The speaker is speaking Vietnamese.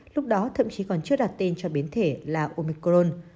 lúc đó thậm chí còn chưa đặt tên cho biến thể là omicron